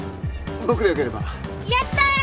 僕でよければやったー